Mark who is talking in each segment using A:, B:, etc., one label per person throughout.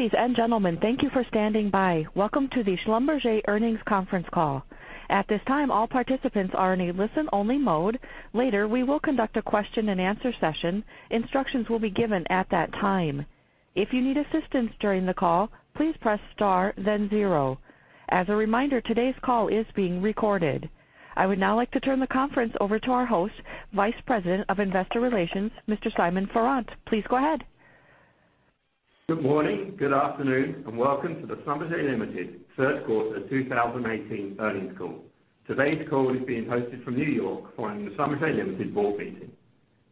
A: Ladies and gentlemen, thank you for standing by. Welcome to the Schlumberger Earnings Conference Call. At this time, all participants are in a listen-only mode. Later, we will conduct a question-and-answer session. Instructions will be given at that time. If you need assistance during the call, please press star then zero. As a reminder, today's call is being recorded. I would now like to turn the conference over to our host, Vice President of Investor Relations, Mr. Simon Farrant. Please go ahead.
B: Good morning, good afternoon, and welcome to the Schlumberger Limited Third Quarter 2018 Earnings Call. Today's call is being hosted from New York following the Schlumberger Limited board meeting.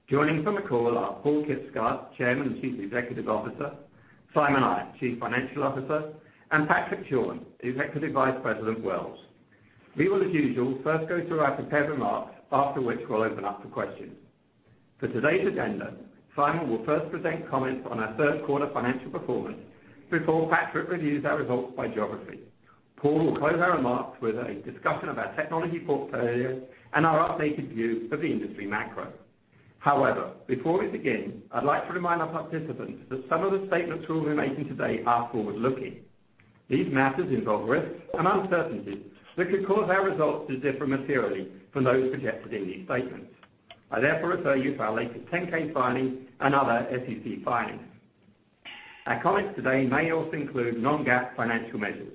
B: Joining from the call are Paal Kibsgaard, Chairman and Chief Executive Officer, Simon Ayat, Chief Financial Officer, and Patrick Schorn, Executive Vice President, Wells. We will, as usual, first go through our prepared remarks, after which we'll open up to questions. For today's agenda, Simon will first present comments on our third quarter financial performance before Patrick reviews our results by geography. Paal will close our remarks with a discussion of our technology portfolio and our updated view of the industry macro. Before we begin, I'd like to remind our participants that some of the statements we'll be making today are forward-looking. These matters involve risks and uncertainties that could cause our results to differ materially from those projected in these statements. I therefore refer you to our latest 10-K filings and other SEC filings. Our comments today may also include non-GAAP financial measures.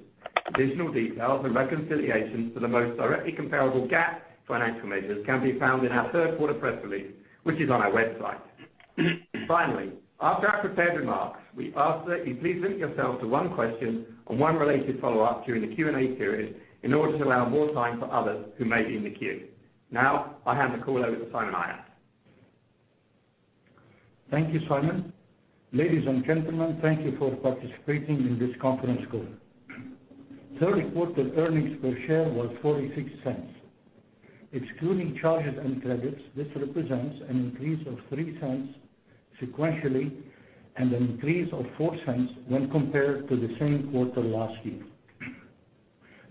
B: Additional details and reconciliations for the most directly comparable GAAP financial measures can be found in our third quarter press release, which is on our website. Finally, after our prepared remarks, we ask that you please limit yourself to one question and one related follow-up during the Q&A period in order to allow more time for others who may be in the queue. I hand the call over to Simon Ayat.
C: Thank you, Simon. Ladies and gentlemen, thank you for participating in this conference call. Third quarter earnings per share was $0.46. Excluding charges and credits, this represents an increase of $0.03 sequentially and an increase of $0.04 when compared to the same quarter last year.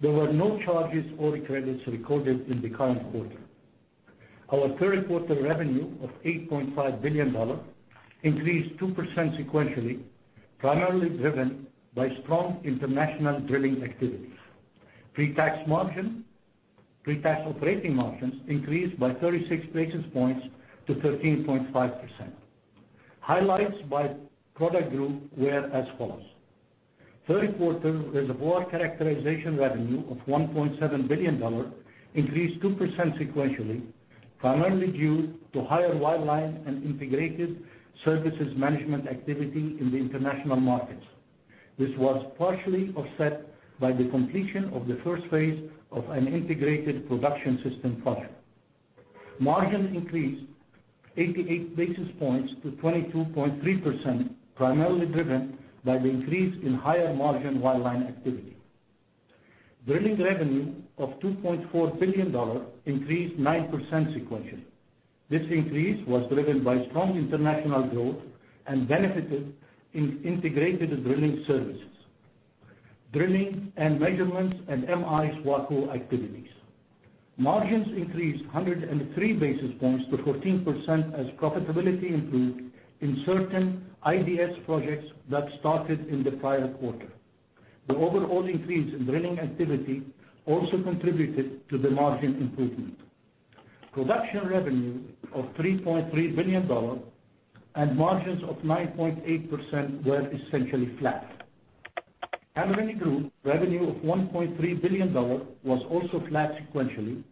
C: There were no charges or credits recorded in the current quarter. Our third quarter revenue of $8.5 billion increased 2% sequentially, primarily driven by strong international drilling activities. Pre-tax operating margins increased by 36 basis points to 13.5%. Highlights by product group were as follows. Third quarter reservoir characterization revenue of $1.7 billion increased 2% sequentially, primarily due to higher Wireline and integrated services management activity in the international markets. This was partially offset by the completion of the first phase of an integrated production system project. Margins increased 88 basis points to 22.3%, primarily driven by the increase in higher-margin Wireline activity. Drilling revenue of $2.4 billion increased 9% sequentially. This increase was driven by strong international growth and benefited in integrated drilling services, drilling and measurements, and M-I SWACO activities. Margins increased 103 basis points to 14% as profitability improved in certain IDS projects that started in the prior quarter. The overall increase in drilling activity also contributed to the margin improvement. Production revenue of $3.3 billion and margins of 9.8% were essentially flat. Cameron Group revenue of $1.3 billion was also flat sequentially.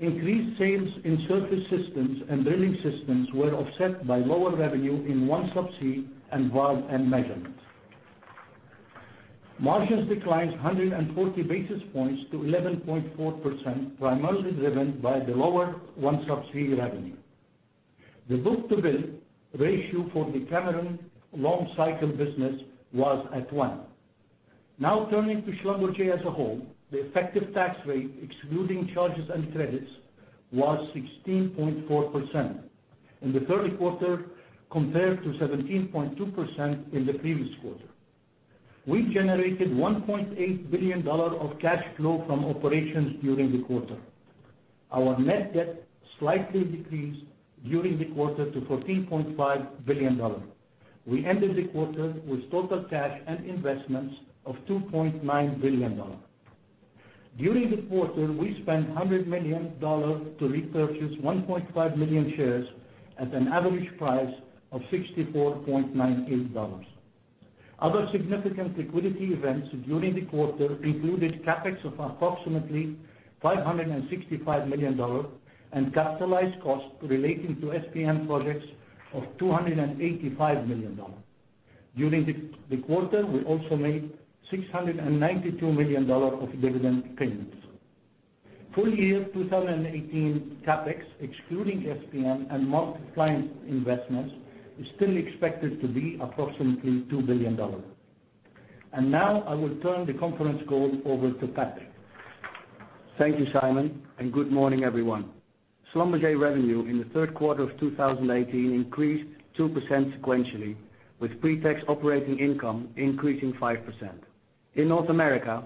C: Increased sales in surface systems and drilling systems were offset by lower revenue in OneSubsea and Valves & Measurement. Margins declined 140 basis points to 11.4%, primarily driven by the lower OneSubsea revenue. The book-to-bill ratio for the Cameron long cycle business was at one. Turning to Schlumberger as a whole. The effective tax rate, excluding charges and credits, was 16.4% in the third quarter, compared to 17.2% in the previous quarter. We generated $1.8 billion of cash flow from operations during the quarter. Our net debt slightly decreased during the quarter to $14.5 billion. We ended the quarter with total cash and investments of $2.9 billion. During the quarter, we spent $100 million to repurchase 1.5 million shares at an average price of $64.98. Other significant liquidity events during the quarter included CapEx of approximately $565 million and capitalized costs relating to SPM projects of $285 million. During the quarter, we also made $692 million of dividend payments. Full year 2018 CapEx, excluding SPM and multi-client investments, is still expected to be approximately $2 billion. I will turn the conference call over to Patrick.
D: Thank you, Simon, and good morning, everyone. Schlumberger revenue in the third quarter of 2018 increased 2% sequentially, with pre-tax operating income increasing 5%. In North America.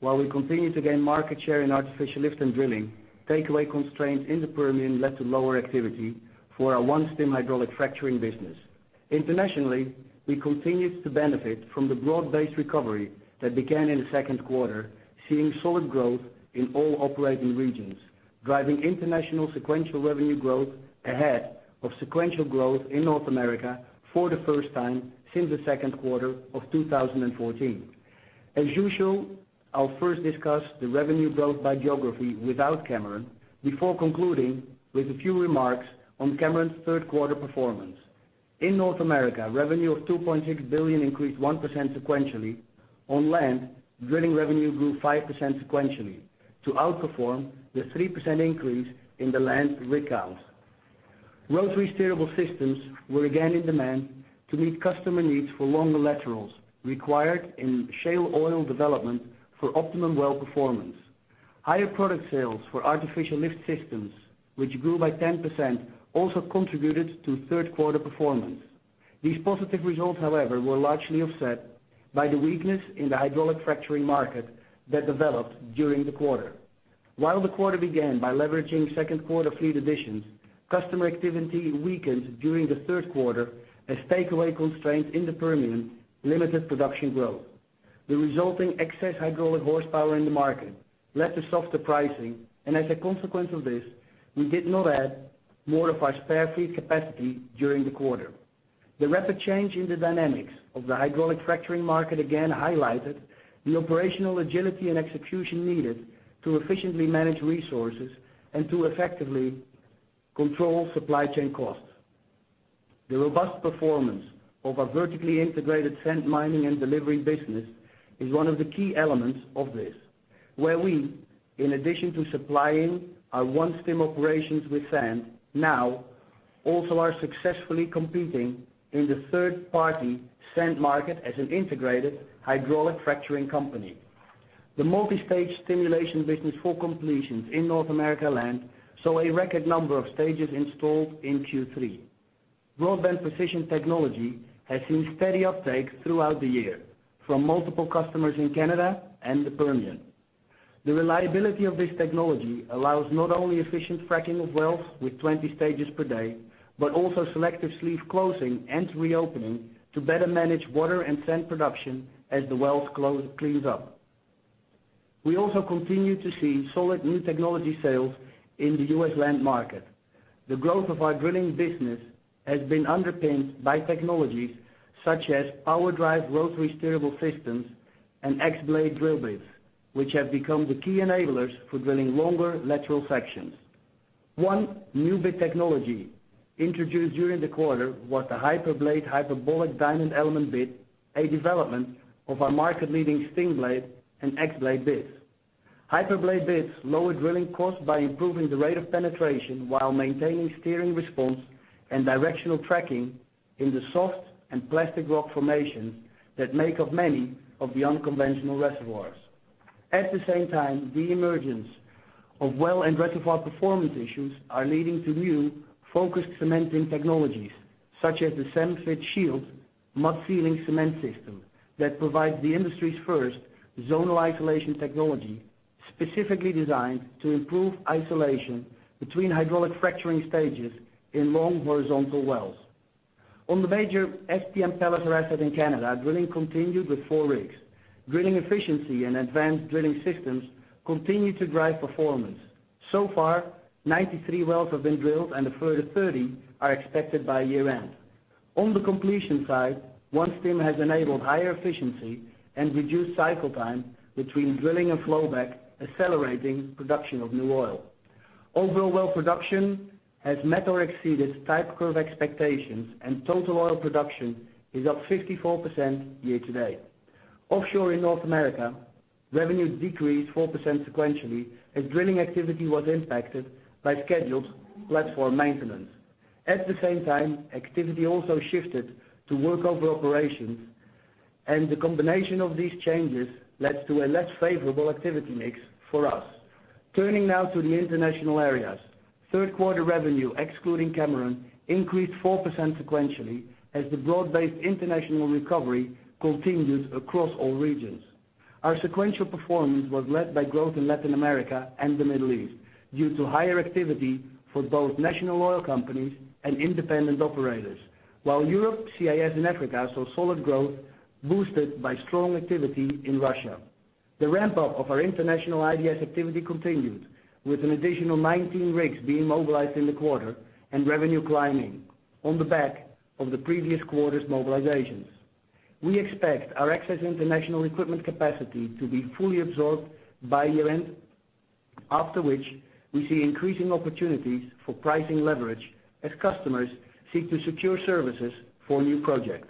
D: While we continue to gain market share in artificial lift and drilling, takeaway constraints in the Permian led to lower activity for our OneStim hydraulic fracturing business. Internationally, we continued to benefit from the broad-based recovery that began in the second quarter, seeing solid growth in all operating regions, driving international sequential revenue growth ahead of sequential growth in North America for the first time since the second quarter of 2014. As usual, I'll first discuss the revenue growth by geography without Cameron, before concluding with a few remarks on Cameron's third quarter performance. In North America, revenue of $2.6 billion increased 1% sequentially. On land, drilling revenue grew 5% sequentially to outperform the 3% increase in the land rig count. Rotary steerable systems were again in demand to meet customer needs for longer laterals required in shale oil development for optimum well performance. Higher product sales for artificial lift systems, which grew by 10%, also contributed to third-quarter performance. These positive results, however, were largely offset by the weakness in the hydraulic fracturing market that developed during the quarter. While the quarter began by leveraging second quarter fleet additions, customer activity weakened during the third quarter as takeaway constraints in the Permian limited production growth. The resulting excess hydraulic horsepower in the market led to softer pricing. As a consequence of this, we did not add more of our spare fleet capacity during the quarter. The rapid change in the dynamics of the hydraulic fracturing market again highlighted the operational agility and execution needed to efficiently manage resources and to effectively control supply chain costs. The robust performance of our vertically integrated sand mining and delivery business is one of the key elements of this. We, in addition to supplying our OneStim operations with sand, now also are successfully competing in the third-party sand market as an integrated hydraulic fracturing company. The multi-stage stimulation business for completions in North America Land saw a record number of stages installed in Q3. BroadBand Precision technology has seen steady uptake throughout the year from multiple customers in Canada and the Permian. The reliability of this technology allows not only efficient fracking of wells with 20 stages per day, but also selective sleeve closing and reopening to better manage water and sand production as the wells cleans up. We also continue to see solid new technology sales in the U.S. land market. The growth of our drilling business has been underpinned by technologies such as PowerDrive rotary steerable systems and XBlade drill bits, which have become the key enablers for drilling longer lateral sections. One new bit technology introduced during the quarter was the HyperBlade hyperbolic diamond element bit, a development of our market-leading StingBlade and XBlade bits. HyperBlade bits lower drilling costs by improving the rate of penetration while maintaining steering response and directional tracking in the soft and plastic rock formations that make up many of the unconventional reservoirs. At the same time, the emergence of well and reservoir performance issues are leading to new focused cementing technologies, such as the CemFIT Shield mud-sealing cement system that provides the industry's first zonal isolation technology specifically designed to improve isolation between hydraulic fracturing stages in long horizontal wells. On the major SPM Palliser asset in Canada, drilling continued with four rigs. Drilling efficiency and advanced drilling systems continued to drive performance. So far, 93 wells have been drilled, and a further 30 are expected by year-end. On the completion side, OneStim has enabled higher efficiency and reduced cycle time between drilling and flowback, accelerating production of new oil. Overall well production has met or exceeded type curve expectations, and total oil production is up 54% year to date. Offshore in North America, revenue decreased 4% sequentially as drilling activity was impacted by scheduled platform maintenance. At the same time, activity also shifted to workover operations, and the combination of these changes led to a less favorable activity mix for us. Turning now to the international areas. Third-quarter revenue, excluding Cameron, increased 4% sequentially as the broad-based international recovery continues across all regions. Our sequential performance was led by growth in Latin America and the Middle East due to higher activity for both national oil companies and independent operators. Europe, CIS, and Africa saw solid growth boosted by strong activity in Russia. The ramp-up of our international IDS activity continued, with an additional 19 rigs being mobilized in the quarter and revenue climbing on the back of the previous quarter's mobilizations. We expect our excess international equipment capacity to be fully absorbed by year-end, after which we see increasing opportunities for pricing leverage as customers seek to secure services for new projects.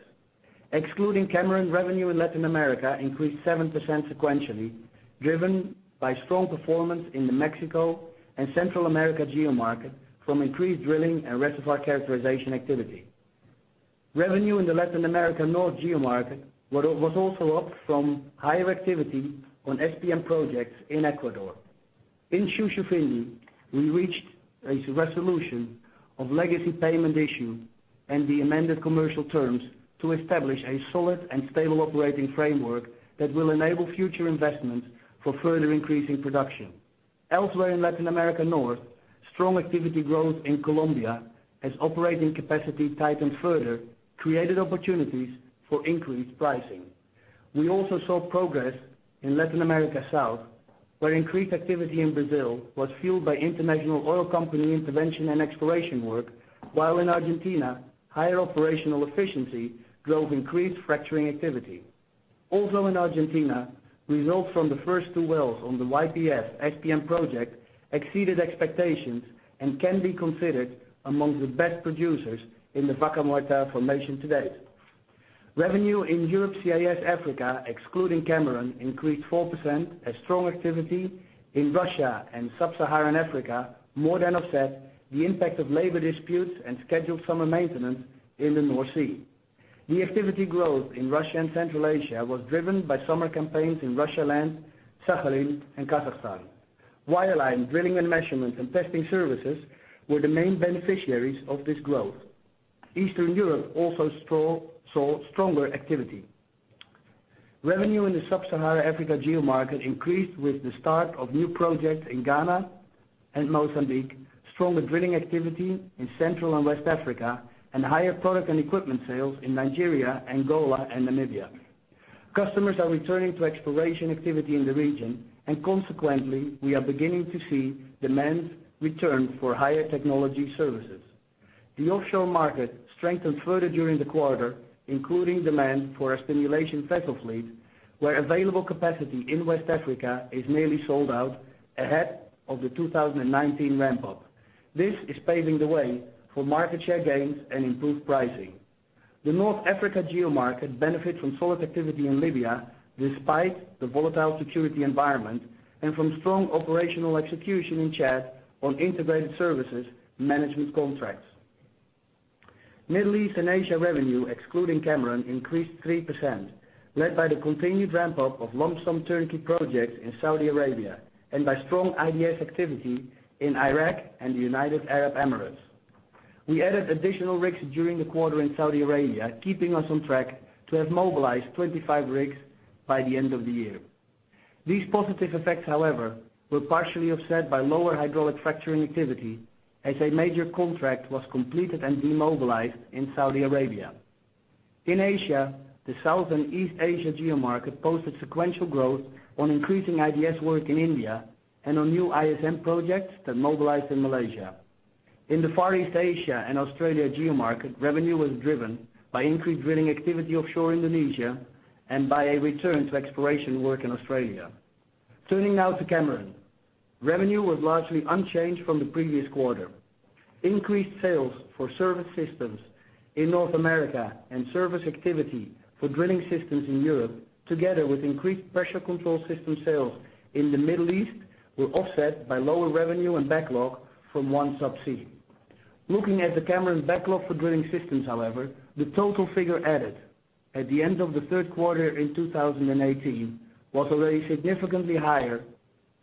D: Excluding Cameron, revenue in Latin America increased 7% sequentially, driven by strong performance in the Mexico and Central America geomarket from increased drilling and reservoir characterization activity. Revenue in the Latin America North geomarket was also up from higher activity on SPM projects in Ecuador. In Shushufindi, we reached a resolution of legacy payment issue and the amended commercial terms to establish a solid and stable operating framework that will enable future investment for further increase in production. Elsewhere in Latin America North, strong activity growth in Colombia as operating capacity tightened further, created opportunities for increased pricing. We also saw progress in Latin America South, where increased activity in Brazil was fueled by international oil company intervention and exploration work, while in Argentina, higher operational efficiency drove increased fracturing activity. Also in Argentina, results from the first two wells on the YPF SPM project exceeded expectations and can be considered among the best producers in the Vaca Muerta formation to date. Revenue in Europe-CIS-Africa, excluding Cameron, increased 4%, as strong activity in Russia and Sub-Saharan Africa more than offset the impact of labor disputes and scheduled summer maintenance in the North Sea. The activity growth in Russia and Central Asia was driven by summer campaigns in Russia Land, Sakhalin, and Kazakhstan. Wireline drilling and measurements and testing services were the main beneficiaries of this growth. Eastern Europe also saw stronger activity. Revenue in the Sub-Saharan Africa geomarket increased with the start of new projects in Ghana and Mozambique, stronger drilling activity in Central and West Africa, and higher product and equipment sales in Nigeria, Angola, and Namibia. Consequently, we are beginning to see demand return for higher technology services. The offshore market strengthened further during the quarter, including demand for our stimulation vessel fleet, where available capacity in West Africa is nearly sold out ahead of the 2019 ramp-up. This is paving the way for market share gains and improved pricing. The North Africa geomarket benefits from solid activity in Libya despite the volatile security environment, and from strong operational execution in Chad on integrated services management contracts. Middle East and Asia revenue, excluding Cameron, increased 3%, led by the continued ramp-up of lump sum turnkey projects in Saudi Arabia and by strong IDS activity in Iraq and the United Arab Emirates. We added additional rigs during the quarter in Saudi Arabia, keeping us on track to have mobilized 25 rigs by the end of the year. These positive effects, however, were partially offset by lower hydraulic fracturing activity as a major contract was completed and demobilized in Saudi Arabia. In Asia, the South and East Asia geomarket posted sequential growth on increasing IDS work in India and on new ISM projects that mobilized in Malaysia. In the Far East Asia and Australia geomarket, revenue was driven by increased drilling activity offshore Indonesia and by a return to exploration work in Australia. Turning now to Cameron. Revenue was largely unchanged from the previous quarter. Increased sales for surface systems in North America and service activity for drilling systems in Europe, together with increased pressure control system sales in the Middle East, were offset by lower revenue and backlog from OneSubsea. Looking at the Cameron backlog for drilling systems, however, the total figure added at the end of the third quarter in 2018 was already significantly higher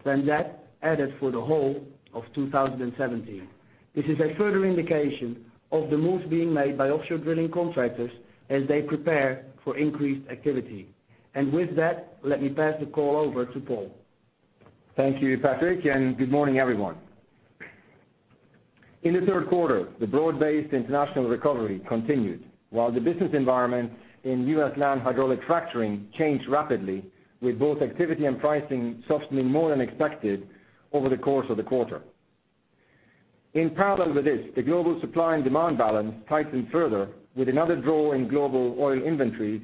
D: than that added for the whole of 2017. This is a further indication of the moves being made by offshore drilling contractors as they prepare for increased activity. With that, let me pass the call over to Paal.
E: Thank you, Patrick, and good morning, everyone. In the third quarter, the broad-based international recovery continued, while the business environment in U.S. land hydraulic fracturing changed rapidly with both activity and pricing softening more than expected over the course of the quarter. In parallel with this, the global supply and demand balance tightened further with another draw in global oil inventories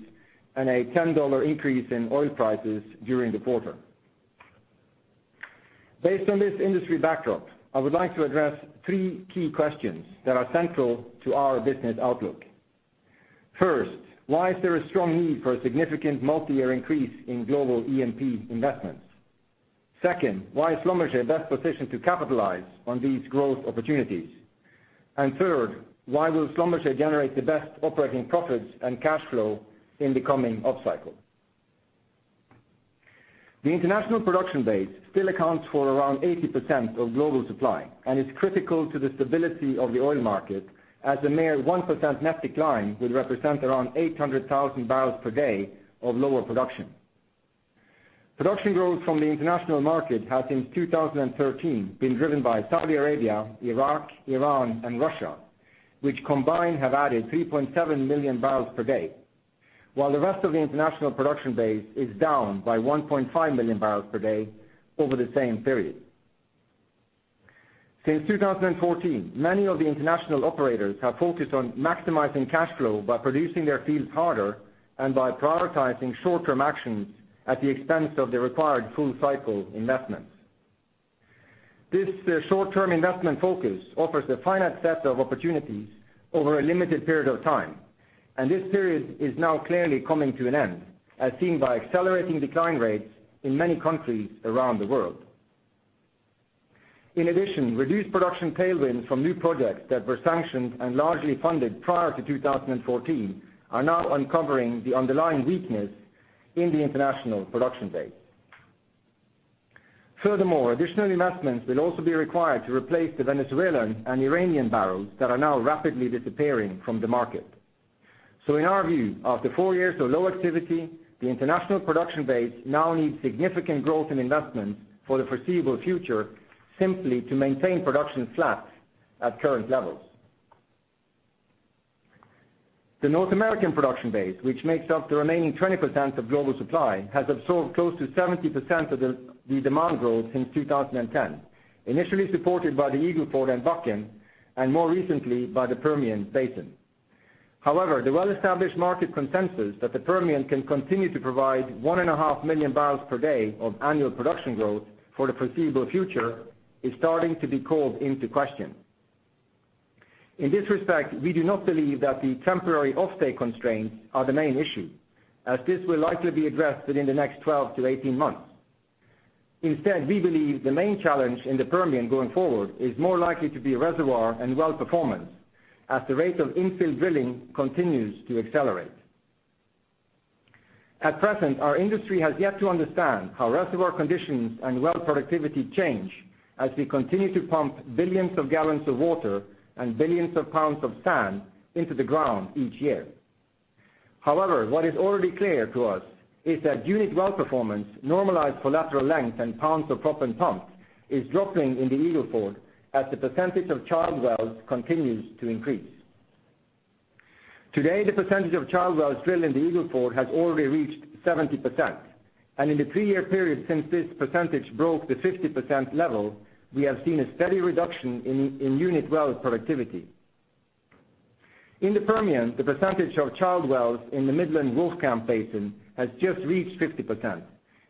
E: and a $10 increase in oil prices during the quarter. Based on this industry backdrop, I would like to address three key questions that are central to our business outlook. First, why is there a strong need for a significant multi-year increase in global E&P investments? Second, why is Schlumberger best positioned to capitalize on these growth opportunities? And third, why will Schlumberger generate the best operating profits and cash flow in the coming upcycle? The international production base still accounts for around 80% of global supply and is critical to the stability of the oil market, as a mere 1% net decline would represent around 800,000 barrels per day of lower production. Production growth from the international market has, since 2013, been driven by Saudi Arabia, Iraq, Iran, and Russia, which combined have added 3.7 million barrels per day, while the rest of the international production base is down by 1.5 million barrels per day over the same period. Since 2014, many of the international operators have focused on maximizing cash flow by producing their fields harder and by prioritizing short-term actions at the expense of the required full-cycle investments. This short-term investment focus offers a finite set of opportunities over a limited period of time, and this period is now clearly coming to an end, as seen by accelerating decline rates in many countries around the world. In addition, reduced production tailwinds from new projects that were sanctioned and largely funded prior to 2014 are now uncovering the underlying weakness in the international production base. Furthermore, additional investments will also be required to replace the Venezuelan and Iranian barrels that are now rapidly disappearing from the market. So in our view, after four years of low activity, the international production base now needs significant growth in investment for the foreseeable future, simply to maintain production flat at current levels. The North American production base, which makes up the remaining 20% of global supply, has absorbed close to 70% of the demand growth since 2010, initially supported by the Eagle Ford and Bakken, and more recently by the Permian Basin. However, the well-established market consensus that the Permian can continue to provide 1.5 million barrels per day of annual production growth for the foreseeable future is starting to be called into question. In this respect, we do not believe that the temporary offtake constraints are the main issue, as this will likely be addressed within the next 12 to 18 months. Instead, we believe the main challenge in the Permian going forward is more likely to be reservoir and well performance as the rate of infill drilling continues to accelerate. At present, our industry has yet to understand how reservoir conditions and well productivity change as we continue to pump billions of gallons of water and billions of pounds of sand into the ground each year. However, what is already clear to us is that unit well performance normalized for lateral length, and pounds of proppant pumped is dropping in the Eagle Ford, as the percentage of child wells continues to increase. Today, the percentage of child wells drilled in the Eagle Ford has already reached 70%, and in the three-year period since this percentage broke the 50% level, we have seen a steady reduction in unit well productivity. In the Permian, the percentage of child wells in the Midland Wolfcamp Basin has just reached 50%,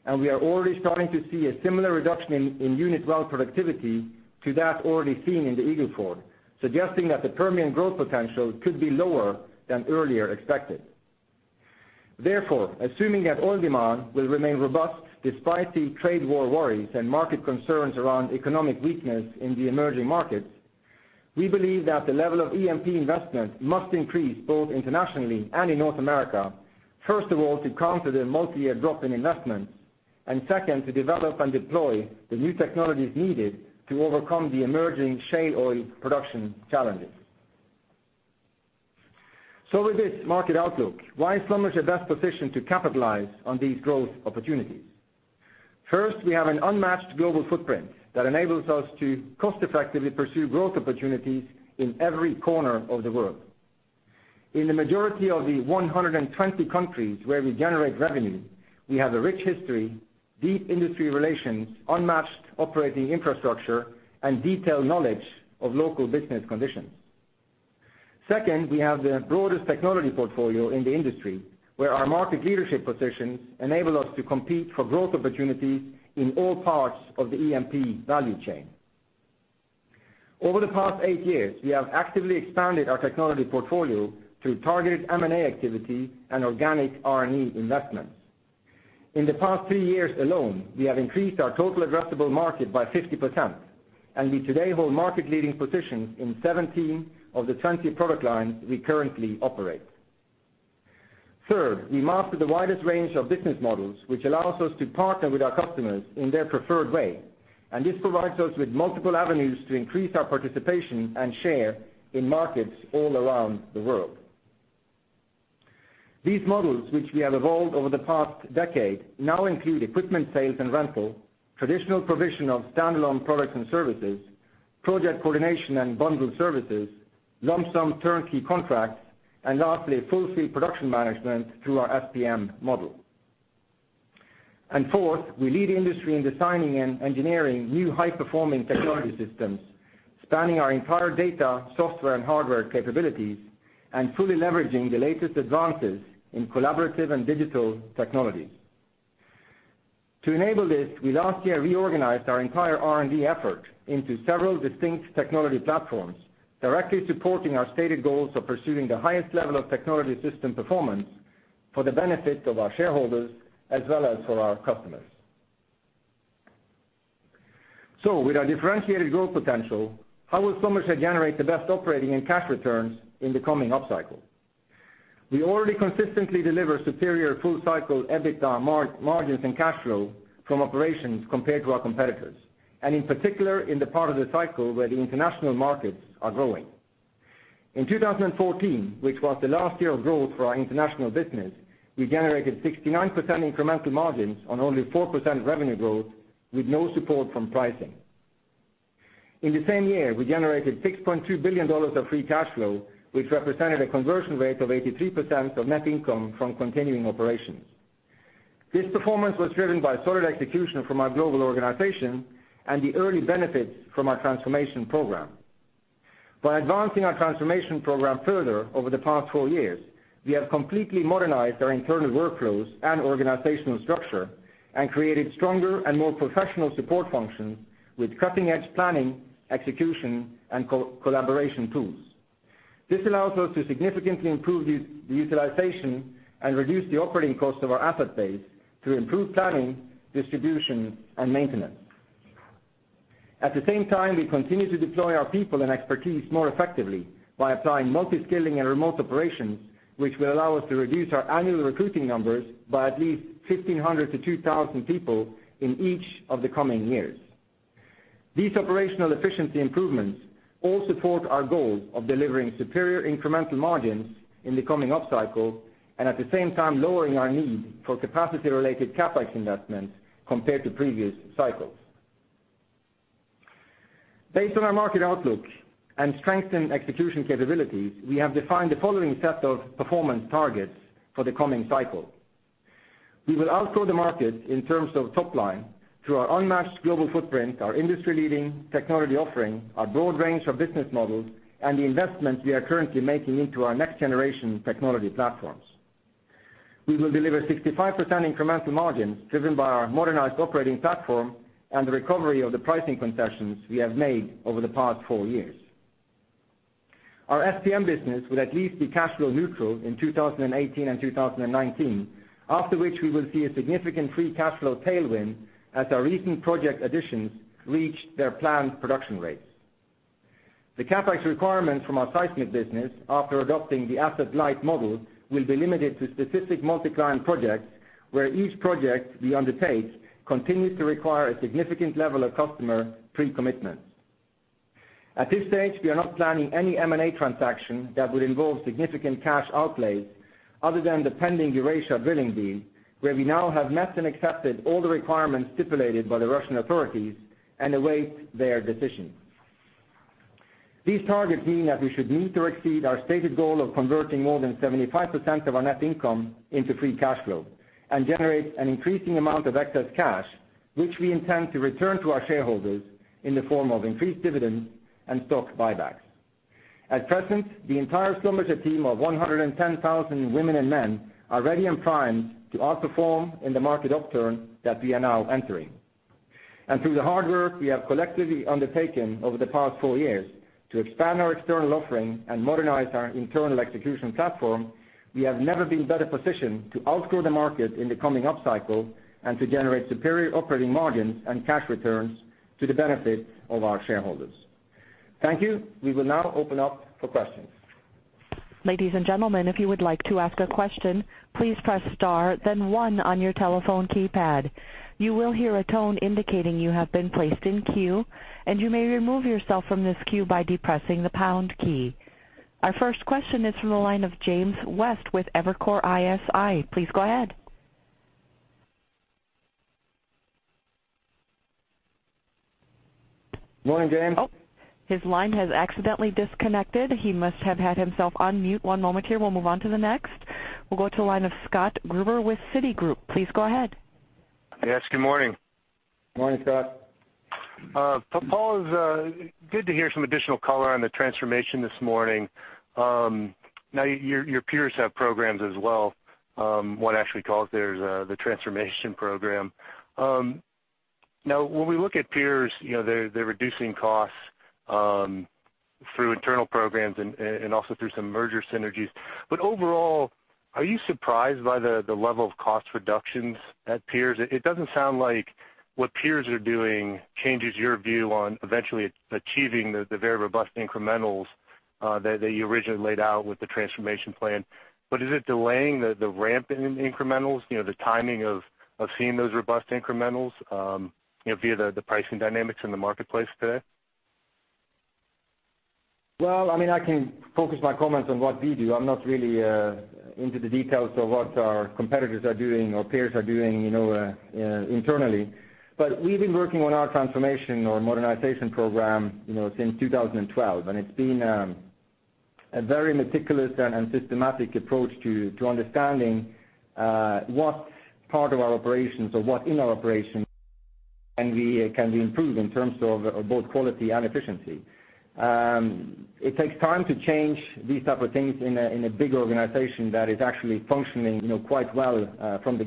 E: and we are already starting to see a similar reduction in unit well productivity to that already seen in the Eagle Ford, suggesting that the Permian growth potential could be lower than earlier expected. Therefore, assuming that oil demand will remain robust despite the trade war worries and market concerns around economic weakness in the emerging markets, we believe that the level of E&P investment must increase both internationally and in North America. First of all, to counter the multi-year drop in investments, and second, to develop and deploy the new technologies needed to overcome the emerging shale oil production challenges. With this market outlook, why is Schlumberger best positioned to capitalize on these growth opportunities? First, we have an unmatched global footprint that enables us to cost-effectively pursue growth opportunities in every corner of the world. In the majority of the 120 countries where we generate revenue, we have a rich history, deep industry relations, unmatched operating infrastructure, and detailed knowledge of local business conditions. Second, we have the broadest technology portfolio in the industry, where our market leadership positions enable us to compete for growth opportunities in all parts of the E&P value chain. Over the past eight years, we have actively expanded our technology portfolio through targeted M&A activity and organic R&D investments. In the past three years alone, we have increased our total addressable market by 50%, and we today hold market-leading positions in 17 of the 20 product lines we currently operate. Third, we master the widest range of business models, which allows us to partner with our customers in their preferred way, and this provides us with multiple avenues to increase our participation and share in markets all around the world. These models, which we have evolved over the past decade, now include equipment sales and rental, traditional provision of standalone products and services, project coordination and bundled services, lump sum turnkey contracts, and lastly, full fee production management through our SPM model. Fourth, we lead industry in designing and engineering new high-performing technology systems, spanning our entire data, software, and hardware capabilities and fully leveraging the latest advances in collaborative and digital technologies. To enable this, we last year reorganized our entire R&D effort into several distinct technology platforms, directly supporting our stated goals of pursuing the highest level of technology system performance for the benefit of our shareholders as well as for our customers. With our differentiated growth potential, how will Schlumberger generate the best operating and cash returns in the coming upcycle? We already consistently deliver superior full-cycle EBITDA margins and cash flow from operations compared to our competitors, and in particular, in the part of the cycle where the international markets are growing. In 2014, which was the last year of growth for our international business, we generated 69% incremental margins on only 4% revenue growth, with no support from pricing. In the same year, we generated $6.2 billion of free cash flow, which represented a conversion rate of 83% of net income from continuing operations. This performance was driven by solid execution from our global organization and the early benefits from our transformation program. By advancing our transformation program further over the past four years, we have completely modernized our internal workflows and organizational structure and created stronger and more professional support functions with cutting-edge planning, execution, and collaboration tools. This allows us to significantly improve the utilization and reduce the operating cost of our asset base through improved planning, distribution, and maintenance. At the same time, we continue to deploy our people and expertise more effectively by applying multi-skilling and remote operations, which will allow us to reduce our annual recruiting numbers by at least 1,500 to 2,000 people in each of the coming years. These operational efficiency improvements all support our goal of delivering superior incremental margins in the coming upcycle, and at the same time, lowering our need for capacity-related CapEx investments compared to previous cycles. Based on our market outlook and strengthened execution capabilities, we have defined the following set of performance targets for the coming cycle. We will outgrow the market in terms of top line through our unmatched global footprint, our industry-leading technology offering, our broad range of business models, and the investments we are currently making into our next-generation technology platforms. We will deliver 65% incremental margins driven by our modernized operating platform and the recovery of the pricing concessions we have made over the past four years. Our SPM business will at least be cash flow neutral in 2018 and 2019, after which we will see a significant free cash flow tailwind as our recent project additions reach their planned production rates. The CapEx requirements from our seismic business, after adopting the asset-light model, will be limited to specific multi-client projects, where each project we undertake continues to require a significant level of customer pre-commitment. At this stage, we are not planning any M&A transaction that would involve significant cash outlays other than the pending Eurasia Drilling deal, where we now have met and accepted all the requirements stipulated by the Russian authorities and await their decision. These targets mean that we should meet or exceed our stated goal of converting more than 75% of our net income into free cash flow and generate an increasing amount of excess cash, which we intend to return to our shareholders in the form of increased dividends and stock buybacks. At present, the entire Schlumberger team of 110,000 women and men are ready and primed to outperform in the market upturn that we are now entering. Through the hard work we have collectively undertaken over the past four years to expand our external offering and modernize our internal execution platform, we have never been better positioned to outgrow the market in the coming upcycle and to generate superior operating margins and cash returns to the benefit of our shareholders. Thank you. We will now open up for questions.
A: Ladies and gentlemen, if you would like to ask a question, please press star then one on your telephone keypad. You will hear a tone indicating you have been placed in queue, and you may remove yourself from this queue by depressing the pound key. Our first question is from the line of James West with Evercore ISI. Please go ahead.
E: Morning, James.
A: Oh, his line has accidentally disconnected. He must have had himself on mute. One moment here. We will move on to the next. We will go to the line of Scott Gruber with Citigroup. Please go ahead.
F: Yes, good morning.
E: Morning, Scott.
F: Paal, it's good to hear some additional color on the transformation this morning. Your peers have programs as well. One actually calls theirs the transformation program. When we look at peers, they're reducing costs through internal programs and also through some merger synergies. Overall, are you surprised by the level of cost reductions at peers? It doesn't sound like what peers are doing changes your view on eventually achieving the very robust incrementals that you originally laid out with the transformation plan. Is it delaying the ramp in incrementals, the timing of seeing those robust incrementals via the pricing dynamics in the marketplace today?
E: Well, I can focus my comments on what we do. I'm not really into the details of what our competitors are doing or peers are doing internally. We've been working on our transformation or modernization program since 2012, and it's been a very meticulous and systematic approach to understanding what part of our operations or what in our operations can be improved in terms of both quality and efficiency. It takes time to change these type of things in a big organization that is actually functioning quite well from the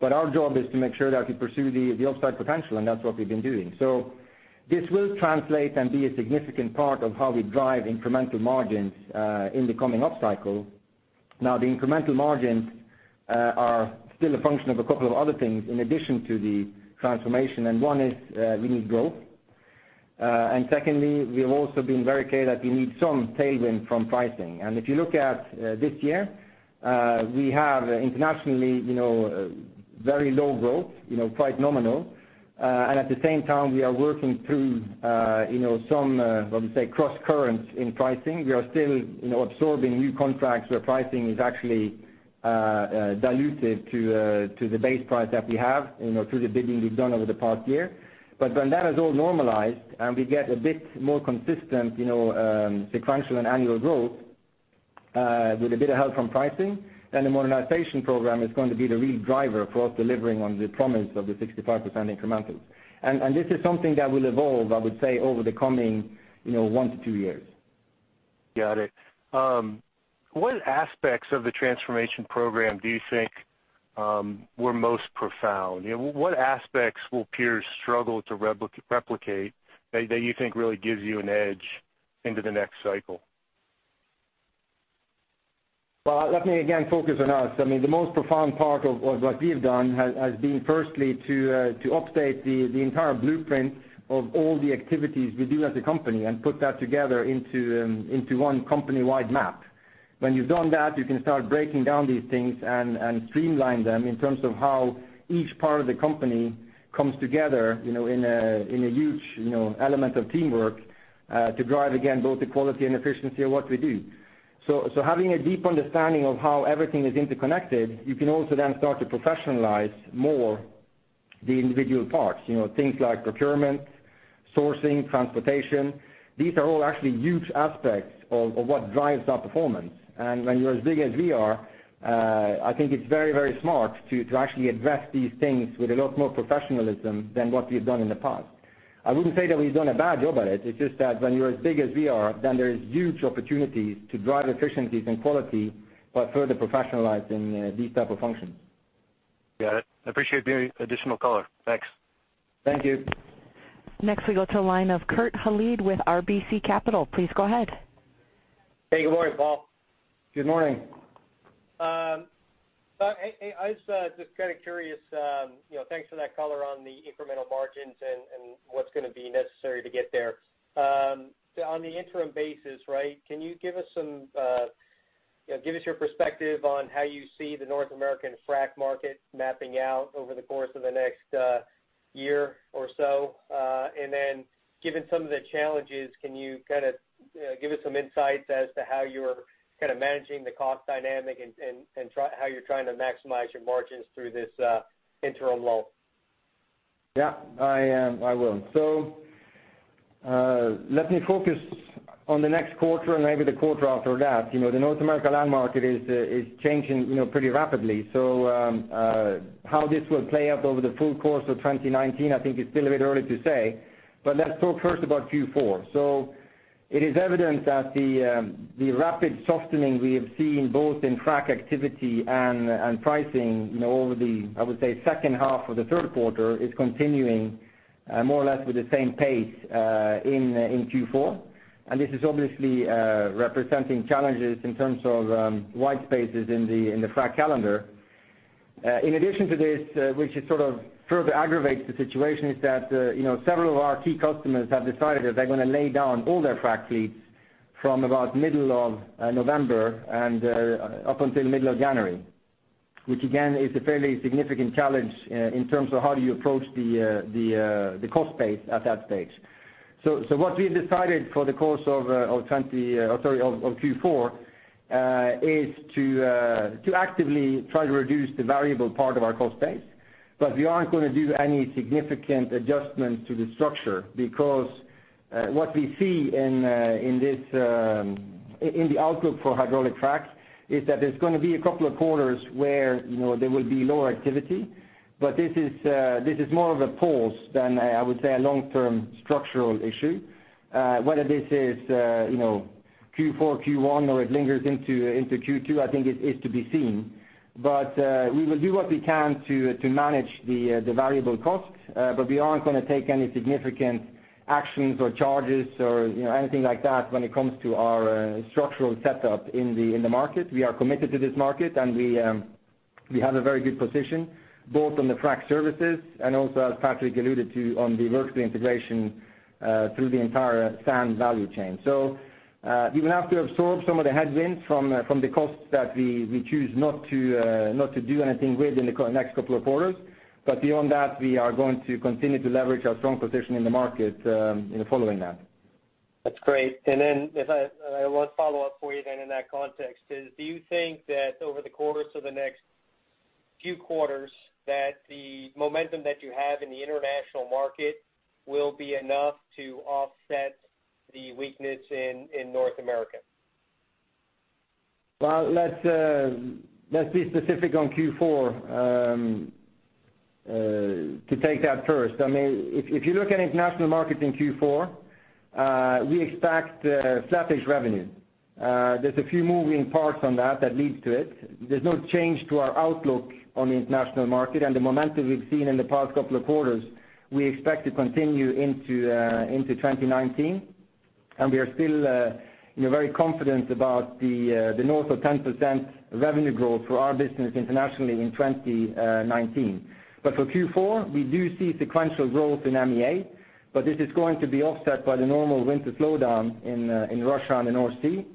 E: get-go. Our job is to make sure that we pursue the upside potential, and that's what we've been doing. This will translate and be a significant part of how we drive incremental margins in the coming upcycle. One is we need growth. Secondly, we have also been very clear that we need some tailwind from pricing. If you look at this year, we have internationally very low growth, quite nominal. At the same time, we are working through some, let me say, cross-currents in pricing. We are still absorbing new contracts where pricing is actually diluted to the base price that we have through the bidding we've done over the past year. When that is all normalized and we get a bit more consistent sequential and annual growth with a bit of help from pricing, then the modernization program is going to be the real driver for us delivering on the promise of the 65% incrementals. This is something that will evolve, I would say, over the coming one to two years.
F: Got it. What aspects of the transformation program do you think were most profound? What aspects will peers struggle to replicate that you think really gives you an edge into the next cycle?
E: Well, let me again focus on us. The most profound part of what we've done has been firstly to update the entire blueprint of all the activities we do as a company and put that together into one company-wide map. When you've done that, you can start breaking down these things and streamline them in terms of how each part of the company comes together in a huge element of teamwork to drive, again, both the quality and efficiency of what we do. Having a deep understanding of how everything is interconnected, you can also then start to professionalize more the individual parts, things like procurement, sourcing, transportation. These are all actually huge aspects of what drives our performance. When you're as big as we are, I think it's very smart to actually address these things with a lot more professionalism than what we've done in the past. I wouldn't say that we've done a bad job at it. It's just that when you're as big as we are, then there's huge opportunities to drive efficiencies and quality by further professionalizing these type of functions.
F: Got it. I appreciate the additional color. Thanks.
E: Thank you.
A: Next we go to line of Kurt Hallead with RBC Capital. Please go ahead.
G: Hey. Good morning, Paal.
E: Good morning.
G: I was just kind of curious. Thanks for that color on the incremental margins and what's going to be necessary to get there. On the interim basis, can you give us your perspective on how you see the North American frack market mapping out over the course of the next year or so? Then given some of the challenges, can you give us some insights as to how you're managing the cost dynamic and how you're trying to maximize your margins through this interim lull?
E: Yeah. I will. Let me focus on the next quarter and maybe the quarter after that. The North America land market is changing pretty rapidly. How this will play out over the full course of 2019, I think it's still a bit early to say. Let's talk first about Q4. It is evident that the rapid softening we have seen both in frack activity and pricing over the, I would say, second half of the third quarter is continuing more or less with the same pace in Q4. This is obviously representing challenges in terms of wide spaces in the frack calendar. In addition to this, which sort of further aggravates the situation, is that several of our key customers have decided that they're going to lay down all their frac fleets from about middle of November and up until middle of January, which again, is a fairly significant challenge in terms of how do you approach the cost base at that stage. What we've decided for the course of Q4, is to actively try to reduce the variable part of our cost base, but we aren't going to do any significant adjustments to the structure, because what we see in the outlook for hydraulic fracs is that there's going to be a couple of quarters where there will be lower activity. This is more of a pause than, I would say, a long-term structural issue. Whether this is Q4, Q1, or it lingers into Q2, I think is to be seen. We will do what we can to manage the variable costs, but we aren't going to take any significant actions or charges or anything like that when it comes to our structural setup in the market. We are committed to this market, and we have a very good position, both on the frac services and also, as Patrick alluded to, on the vertical integration through the entire sand value chain. We will have to absorb some of the headwinds from the costs that we choose not to do anything with in the next couple of quarters. Beyond that, we are going to continue to leverage our strong position in the market in the following then.
G: That's great. One follow-up for you then in that context is, do you think that over the course of the next few quarters that the momentum that you have in the international market will be enough to offset the weakness in North America?
E: Let's be specific on Q4 to take that first. If you look at international markets in Q4, we expect flattish revenue. There's a few moving parts on that that leads to it. There's no change to our outlook on the international market, and the momentum we've seen in the past couple of quarters, we expect to continue into 2019. We are still very confident about the north of 10% revenue growth for our business internationally in 2019. For Q4, we do see sequential growth in MEA, this is going to be offset by the normal winter slowdown in Russia and the North Sea.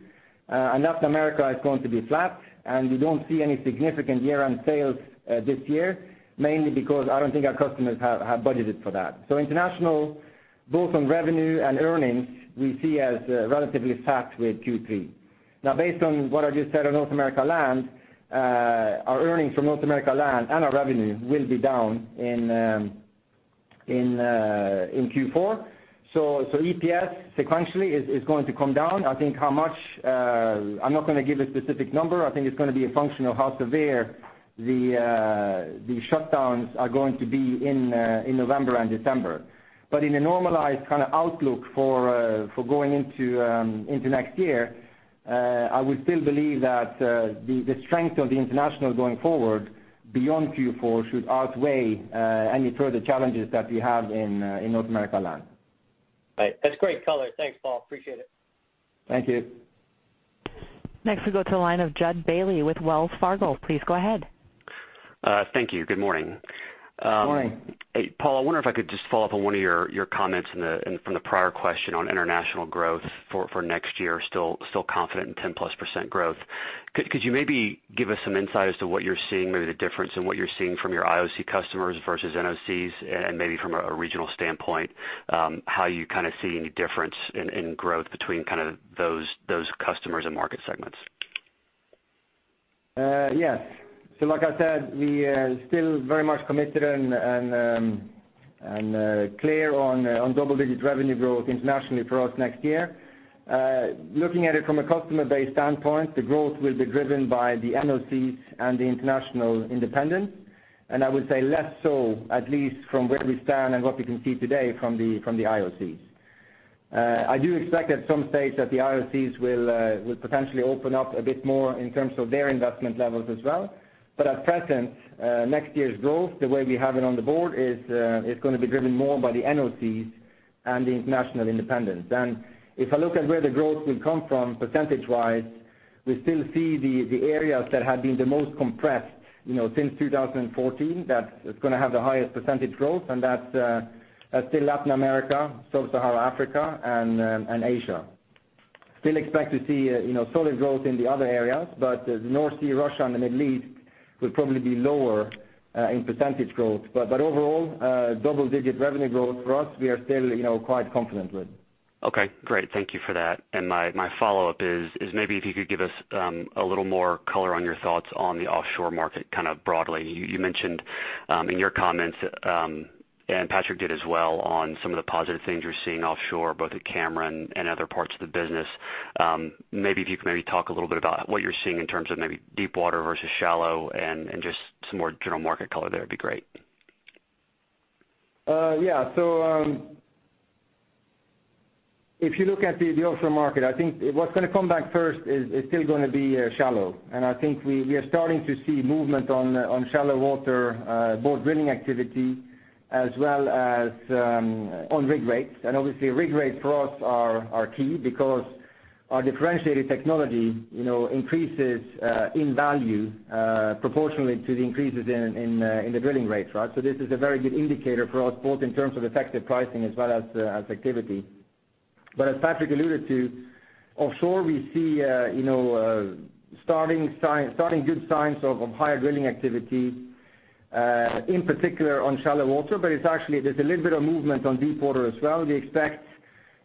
E: Latin America is going to be flat, and we don't see any significant year-on sales this year, mainly because I don't think our customers have budgeted for that. International, both on revenue and earnings, we see as relatively flat with Q3. Based on what I just said on North America land, our earnings from North America land and our revenue will be down in Q4. EPS sequentially is going to come down. I think how much, I'm not going to give a specific number. I think it's going to be a function of how severe the shutdowns are going to be in November and December. In a normalized kind of outlook for going into next year, I would still believe that the strength of the international going forward beyond Q4 should outweigh any further challenges that we have in North America land.
G: Right. That's great color. Thanks, Paal. Appreciate it.
E: Thank you.
A: Next we go to the line of Jud Bailey with Wells Fargo. Please go ahead.
H: Thank you. Good morning.
E: Morning.
H: Hey, Paal, I wonder if I could just follow up on one of your comments from the prior question on international growth for next year, still confident in 10+% growth. Could you maybe give us some insight as to what you're seeing, maybe the difference in what you're seeing from your IOC customers versus NOCs and maybe from a regional standpoint, how you see any difference in growth between those customers and market segments?
E: Yes. Like I said, we are still very much committed and clear on double-digit revenue growth internationally for us next year. Looking at it from a customer-based standpoint, the growth will be driven by the NOCs and the international independents, and I would say less so, at least from where we stand and what we can see today from the IOCs. I do expect at some stage that the IOCs will potentially open up a bit more in terms of their investment levels as well. At present, next year's growth, the way we have it on the board, is going to be driven more by the NOCs and the international independents. If I look at where the growth will come from percentage-wise, we still see the areas that have been the most compressed since 2014, that it's going to have the highest percentage growth, and that's still Latin America, Sub-Saharan Africa, and Asia. Still expect to see solid growth in the other areas, but the North Sea, Russia, and the Middle East will probably be lower in percentage growth. Overall, double-digit revenue growth for us, we are still quite confident with.
H: Okay, great. Thank you for that. My follow-up is, maybe if you could give us a little more color on your thoughts on the offshore market kind of broadly. You mentioned in your comments, and Patrick did as well, on some of the positive things you're seeing offshore, both at Cameron and other parts of the business. Maybe if you could maybe talk a little bit about what you're seeing in terms of maybe deep water versus shallow and just some more general market color there would be great.
E: Yeah. If you look at the offshore market, I think what's going to come back first is still going to be shallow. I think we are starting to see movement on shallow water, both drilling activity as well as on rig rates. Obviously rig rates for us are key because our differentiated technology increases in value proportionally to the increases in the drilling rates, right? This is a very good indicator for us both in terms of effective pricing as well as activity. As Patrick alluded to, offshore, we see starting good signs of higher drilling activity, in particular on shallow water. It's actually, there's a little bit of movement on deep water as well. We expect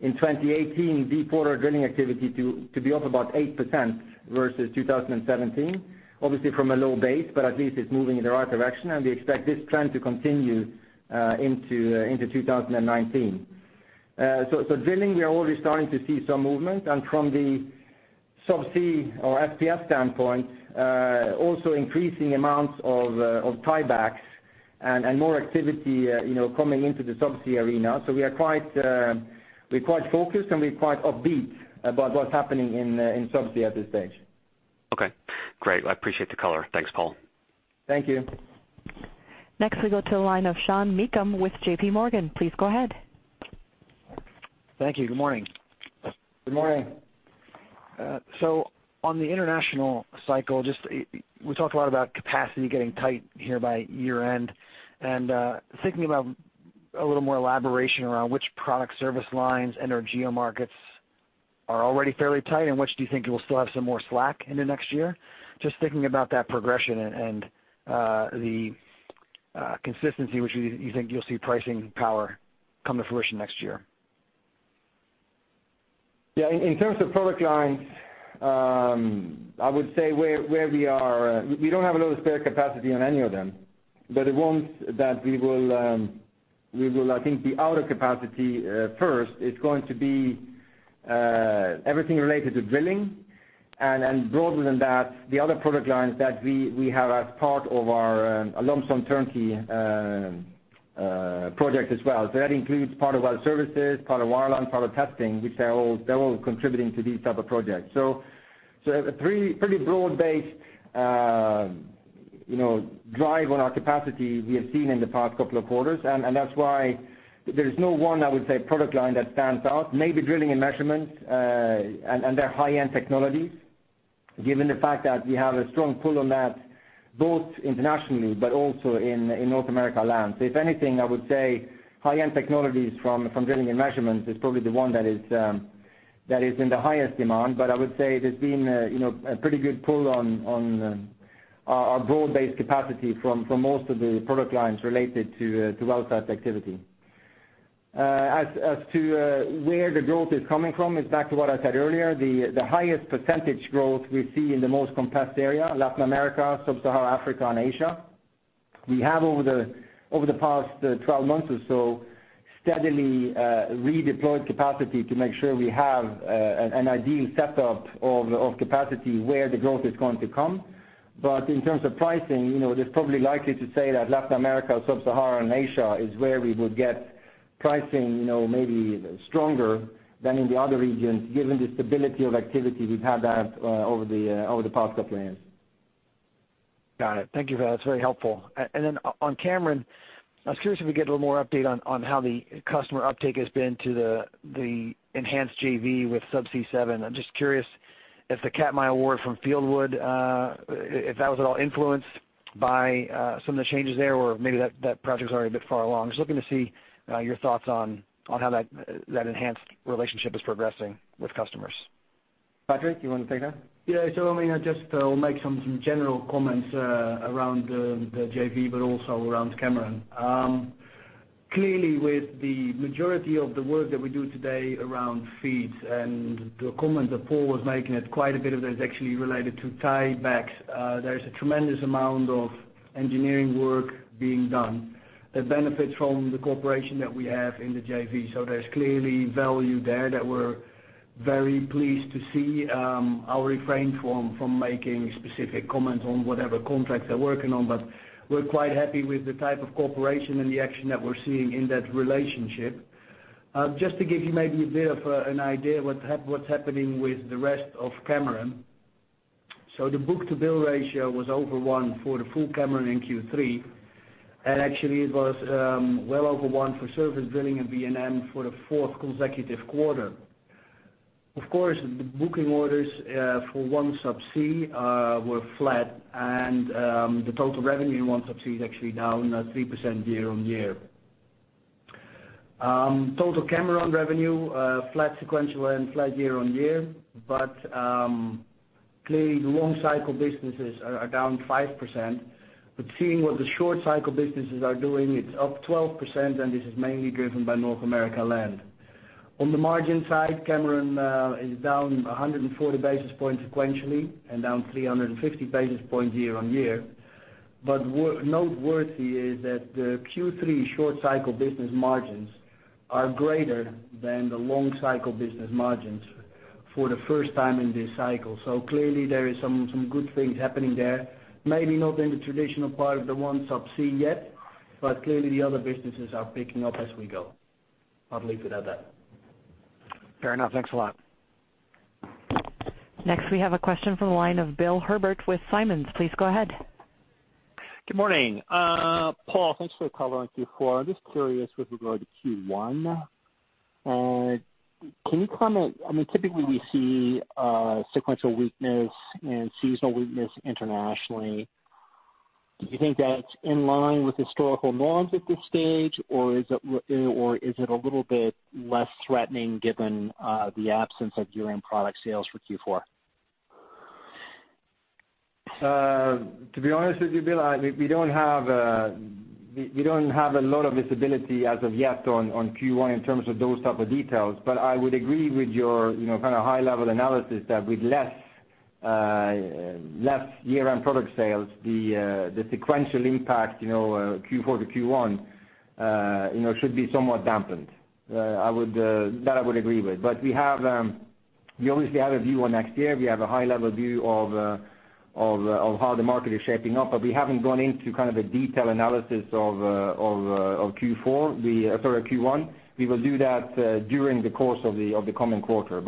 E: in 2018, deep water drilling activity to be up about 8% versus 2017, obviously from a low base, but at least it's moving in the right direction, and we expect this trend to continue into 2019. Drilling, we are already starting to see some movement, and from the subsea or FPSO standpoint, also increasing amounts of tiebacks and more activity coming into the subsea arena. We are quite focused, and we are quite upbeat about what's happening in subsea at this stage.
H: Okay, great. I appreciate the color. Thanks, Paal.
E: Thank you.
A: Next we go to the line of Sean Meakim with J.P. Morgan. Please go ahead.
I: Thank you. Good morning.
E: Good morning.
I: On the international cycle, we talked a lot about capacity getting tight here by year-end. Thinking about a little more elaboration around which product service lines and/or geo markets are already fairly tight, and which do you think you will still have some more slack into next year? Just thinking about that progression and the consistency which you think you'll see pricing power come to fruition next year.
E: Yeah. In terms of product lines, I would say where we are, we don't have a lot of spare capacity on any of them. The ones that we will, I think, be out of capacity first, it's going to be everything related to drilling, and broader than that, the other product lines that we have as part of our lump sum turnkey project as well. That includes part of well services, part of Wireline, part of testing, which they're all contributing to these type of projects. A pretty broad-based drive on our capacity we have seen in the past couple of quarters. That's why there is no one, I would say, product line that stands out, maybe drilling and measurements, and their high-end technologies, given the fact that we have a strong pull on that both internationally but also in North America land. If anything, I would say high-end technologies from drilling and measurements is probably the one that is in the highest demand. I would say there's been a pretty good pull on our broad-based capacity from most of the product lines related to well site activity. As to where the growth is coming from, it's back to what I said earlier. The highest percentage growth we see in the most compressed area, Latin America, Sub-Saharan Africa, and Asia. We have, over the past 12 months or so, steadily redeployed capacity to make sure we have an ideal setup of capacity where the growth is going to come. In terms of pricing, it is probably likely to say that Latin America, Sub-Sahara, and Asia is where we would get pricing maybe stronger than in the other regions, given the stability of activity we've had there over the past couple of years.
I: Got it. Thank you for that. That's very helpful. On Cameron, I was curious if we could get a little more update on how the customer uptake has been to the enhanced JV with Subsea 7. I'm just curious if the Katmai award from Fieldwood, if that was at all influenced by some of the changes there, or maybe that project's already a bit far along. Just looking to see your thoughts on how that enhanced relationship is progressing with customers.
E: Patrick, you want to take that?
D: I'll make some general comments around the JV, but also around Cameron. Clearly, with the majority of the work that we do today around FEED and the comment that Paal was making, quite a bit of that is actually related to tiebacks. There's a tremendous amount of engineering work being done that benefits from the cooperation that we have in the JV. There's clearly value there that we're very pleased to see. I'll refrain from making specific comments on whatever contracts they're working on, but we're quite happy with the type of cooperation and the action that we're seeing in that relationship. Just to give you maybe a bit of an idea what's happening with the rest of Cameron. The book-to-bill ratio was over one for the full Cameron in Q3, and actually it was well over one for service billing in V&M for the fourth consecutive quarter. Of course, the booking orders for OneSubsea were flat, and the total revenue in OneSubsea is actually down 3% year-on-year. Total Cameron revenue, flat sequential and flat year-on-year. Clearly, the long cycle businesses are down 5%. Seeing what the short cycle businesses are doing, it's up 12%, and this is mainly driven by North America land. On the margin side, Cameron is down 140 basis points sequentially and down 350 basis points year-on-year. Noteworthy is that the Q3 short cycle business margins are greater than the long cycle business margins for the first time in this cycle. Clearly there is some good things happening there. Maybe not in the traditional part of the OneSubsea yet, but clearly the other businesses are picking up as we go. I'll leave it at that.
I: Fair enough. Thanks a lot.
A: Next, we have a question from the line of Bill Herbert with Simmons. Please go ahead.
J: Good morning. Paal, thanks for the color on Q4. I'm just curious with regard to Q1. Can you comment, typically we see sequential weakness and seasonal weakness internationally. Do you think that's in line with historical norms at this stage, or is it a little bit less threatening given the absence of year-end product sales for Q4?
E: To be honest with you, Bill, we don't have a lot of visibility as of yet on Q1 in terms of those type of details. I would agree with your kind of high-level analysis that with less year-end product sales, the sequential impact Q4 to Q1 should be somewhat dampened. That I would agree with. We obviously have a view on next year. We have a high-level view of how the market is shaping up, we haven't gone into kind of a detailed analysis of Q1. We will do that during the course of the coming quarter.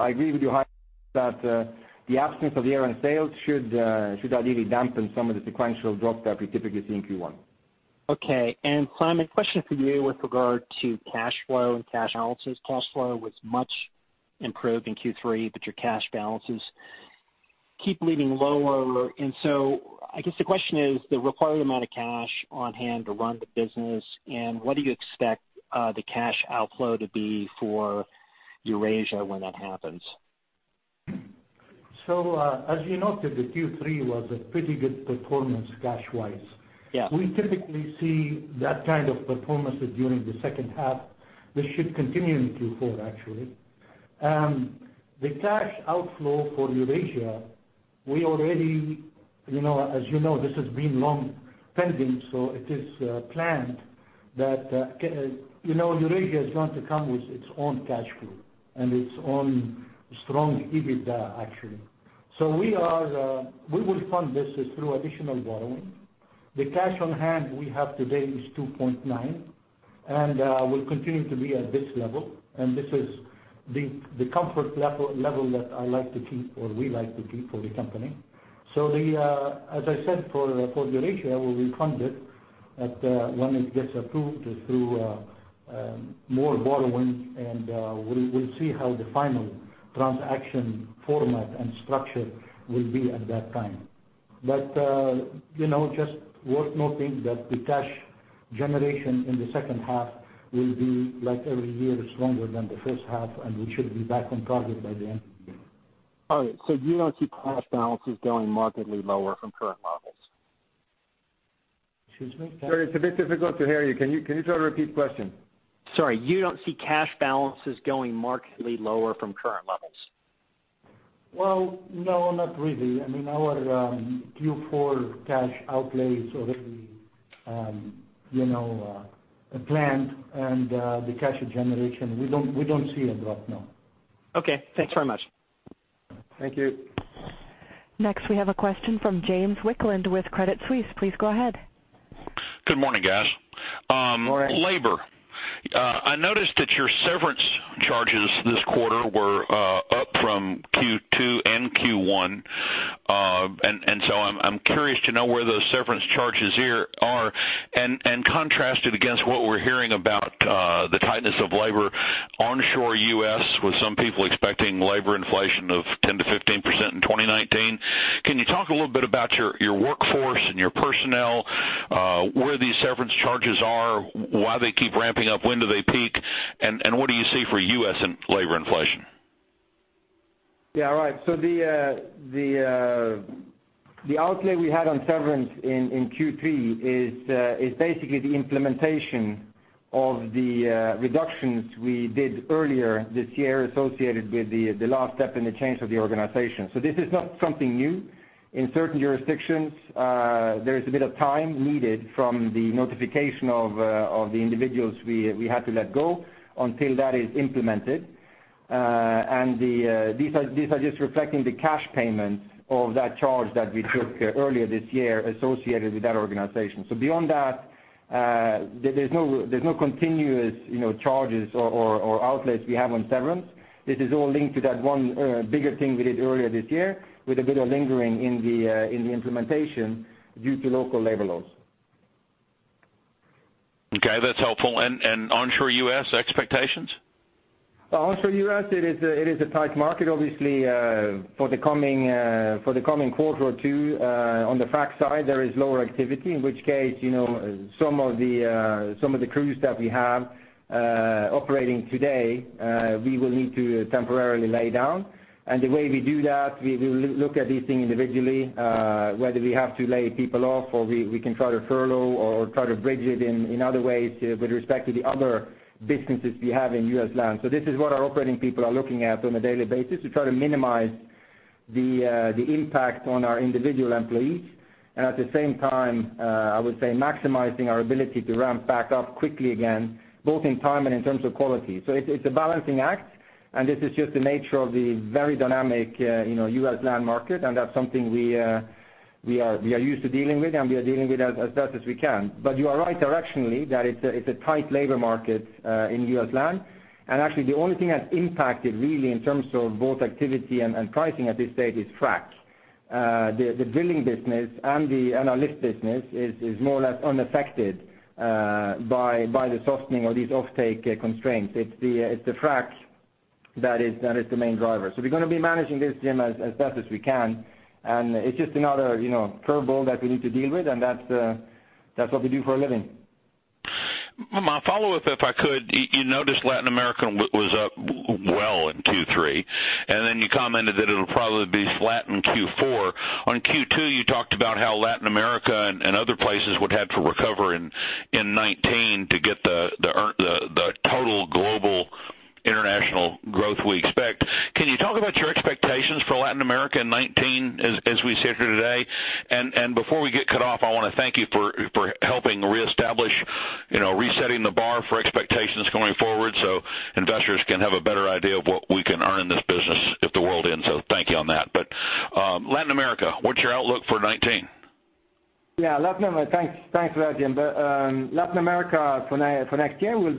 E: I agree with you, Bill, that the absence of year-end sales should ideally dampen some of the sequential drop that we typically see in Q1.
J: Okay. Simon, question for you with regard to cash flow and cash balances. Cash flow was much improved in Q3, your cash balances keep leading lower, I guess the question is the required amount of cash on hand to run the business and what do you expect the cash outflow to be for Eurasia when that happens?
C: As you noted that Q3 was a pretty good performance cash-wise.
J: Yeah.
C: We typically see that kind of performance during the second half. This should continue in Q4, actually. The cash outflow for Eurasia, as you know, this has been long pending, it is planned that Eurasia is going to come with its own cash flow and its own strong EBITDA, actually. We will fund this through additional borrowing. The cash on hand we have today is $2.9, will continue to be at this level. This is the comfort level that I like to keep, or we like to keep for the company. As I said, for Eurasia, we will fund it when it gets approved through more borrowing, we'll see how the final transaction format and structure will be at that time. worth noting that the cash generation in the second half will be, like every year, stronger than the first half, and we should be back on target by the end of the year.
J: All right. You don't see cash balances going markedly lower from current levels?
C: Excuse me? Sorry, it's a bit difficult to hear you. Can you try to repeat the question?
J: Sorry. You don't see cash balances going markedly lower from current levels?
C: Well, no, not really. I mean, our Q4 cash outlay is already planned, and the cash generation, we don't see a drop, no.
J: Okay. Thanks very much.
E: Thank you.
A: Next, we have a question from James Wicklund with Credit Suisse. Please go ahead.
K: Good morning, guys.
E: Morning.
K: Labor. I noticed that your severance charges this quarter were up from Q2 and Q1. I'm curious to know where those severance charges here are, and contrast it against what we're hearing about the tightness of labor onshore U.S., with some people expecting labor inflation of 10%-15% in 2019. Can you talk a little bit about your workforce and your personnel, where these severance charges are, why they keep ramping up, when do they peak, and what do you see for U.S. in labor inflation?
E: Yeah. All right. The outlay we had on severance in Q3 is basically the implementation of the reductions we did earlier this year associated with the last step in the change of the organization. This is not something new. In certain jurisdictions, there is a bit of time needed from the notification of the individuals we had to let go until that is implemented. These are just reflecting the cash payment of that charge that we took earlier this year associated with that organization. Beyond that, there's no continuous charges or outlays we have on severance. This is all linked to that one bigger thing we did earlier this year, with a bit of lingering in the implementation due to local labor laws.
K: Okay. That's helpful. Onshore U.S. expectations?
E: Onshore U.S., it is a tight market obviously, for the coming quarter or two. On the frac side, there is lower activity, in which case, some of the crews that we have operating today, we will need to temporarily lay down. The way we do that, we will look at these things individually, whether we have to lay people off, or we can try to furlough or try to bridge it in other ways with respect to the other businesses we have in U.S. land. This is what our operating people are looking at on a daily basis to try to minimize the impact on our individual employees. At the same time, I would say maximizing our ability to ramp back up quickly again, both in time and in terms of quality. It's a balancing act, and this is just the nature of the very dynamic U.S. land market, and that's something we are used to dealing with, and we are dealing with as best as we can. You are right directionally that it's a tight labor market in U.S. land. Actually, the only thing that's impacted really in terms of both activity and pricing at this stage is frac. The drilling business and our lift business is more or less unaffected by the softening of these offtake constraints. It's the frac that is the main driver. We're going to be managing this, Jim, as best as we can. It's just another curveball that we need to deal with, and that's what we do for a living.
K: My follow-up, if I could. You noticed Latin America was up well in Q3, and then you commented that it'll probably be flat in Q4. On Q2, you talked about how Latin America and other places would have to recover in 2019 to get the total global international growth we expect. Can you talk about your expectations for Latin America in 2019 as we sit here today? Before we get cut off, I want to thank you for helping reestablish, resetting the bar for expectations going forward so investors can have a better idea of what we can earn in this business if the world ends. Thank you on that. Latin America, what's your outlook for 2019?
E: Yeah. Thanks for that, Jim. Latin America for next year will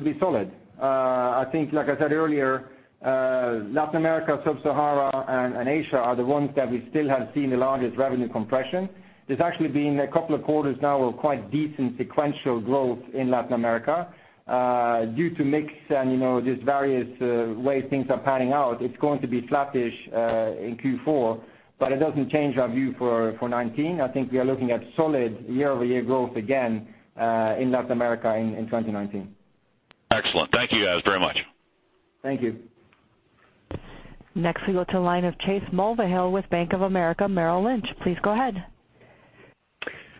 E: be solid. I think, like I said earlier, Latin America, Sub-Sahara, and Asia are the ones that we still have seen the largest revenue compression. There's actually been a couple of quarters now of quite decent sequential growth in Latin America. Due to mix and these various ways things are panning out, it's going to be flattish in Q4, but it doesn't change our view for 2019. I think we are looking at solid year-over-year growth again, in Latin America in 2019.
K: Excellent. Thank you guys very much.
E: Thank you.
A: Next we go to the line of Chase Mulvehill with Bank of America Merrill Lynch. Please go ahead.